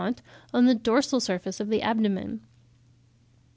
101, 143.), on the dorsal surface of the abdomen.